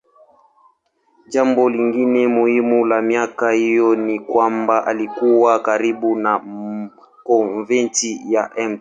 Jambo lingine muhimu la miaka hiyo ni kwamba alikuwa karibu na konventi ya Mt.